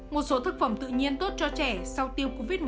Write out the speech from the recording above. một số thực phẩm tự nhiên tốt cho trẻ sau tiêu covid một mươi chín